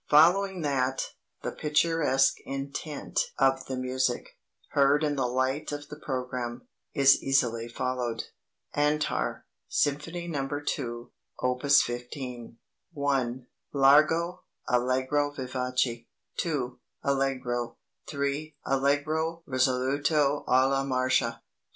Following that, the picturesque intent of the music, heard in the light of the programme, is easily followed. "ANTAR," SYMPHONY No. 2: Op. 15 1. Largo Allegro vivace 2. Allegro 3. Allegro risoluto alla Marcia 4.